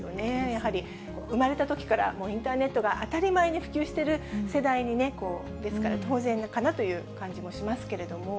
やはり、生まれたときからインターネットが当たり前に普及している世代ですから、当然かなという感じもしますけども。